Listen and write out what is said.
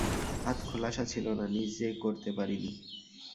হাত খোলসা ছিল না, নিজে করতে পারি নি।